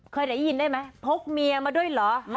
เคยได้ยินได้ไหมพกเมียมาด้วยเหรอ